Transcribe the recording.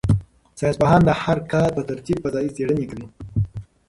ساینس پوهان د هر کال په ترتیب فضايي څېړنې کوي.